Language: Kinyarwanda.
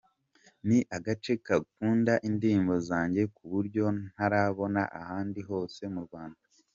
Ni agace gakunda indirimbo zanjye ku buryo ntarabona ahandi hose mu Rwanda".